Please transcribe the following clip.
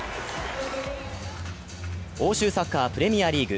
欧州サッカー、プレミアリーグ。